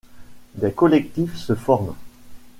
Des collectifs se forment.